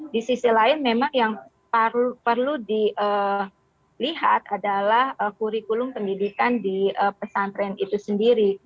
di sisi lain memang yang perlu dilihat adalah kurikulum pendidikan di pesantren itu sendiri